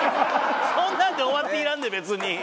そんなんで終わっていらんねん別に。